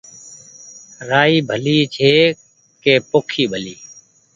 رآئي ڀلي ڇي ڪي پوکي ڀلي